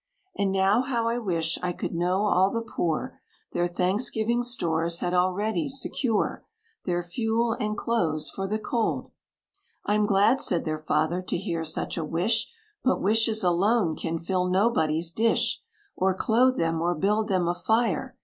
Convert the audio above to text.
And now how I wish I could know all the poor Their Thanksgiving stores had already secure, Their fuel, and clothes for the cold!" "I'm glad," said their father, "to hear such a wish; But wishes alone, can fill nobody's dish, Or clothe them, or build them a fire.